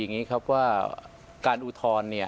อันดับที่สุดท้าย